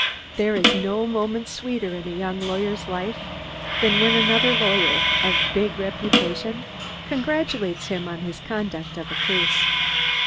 There is no moment sweeter in a young lawyer's life than when another lawyer, of big reputation, congratulates him on his conduct of a case.